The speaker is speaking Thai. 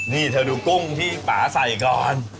นี่เธอดูกุ้งที่ป่าใส่ก่อน